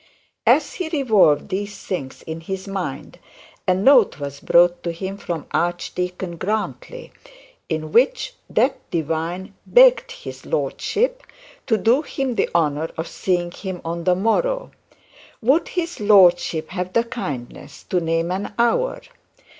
As he resolved these things in his mind a note was brought to him from Archdeacon Grantly, in which that divine begged his lordship to do him the honour of seeing him on the morrow would his lordship have the kindness to name the hour?